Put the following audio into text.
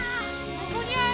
どこにある？